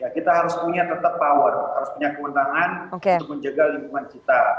kita harus punya tetap power harus punya kewenangan untuk menjaga lingkungan kita